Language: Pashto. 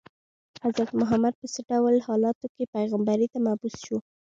حضرت محمد په څه ډول حالاتو کې پیغمبرۍ ته مبعوث شو.